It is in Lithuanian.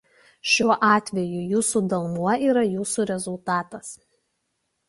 Šiuo atveju jūsų dalmuo yra jūsų rezultatas.